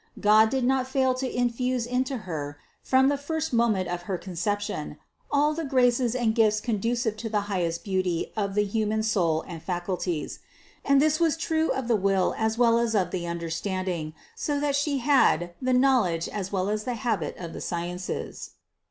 God did not fail to in fuse into Her from the first moment of her Conception, all of the graces and gifts conducive to the highest beauty of the human soul and faculties ; and this was true of the will as well as of the understanding, so that She had as well the knowledge as the habit of the sciences.